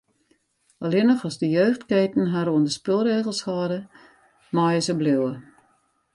Allinnich as de jeugdketen har oan de spulregels hâlde, meie se bliuwe.